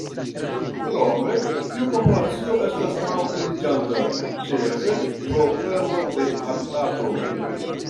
Krome, tiu populacio estas malpliiĝanta, ĉefe pro perdo de habitato.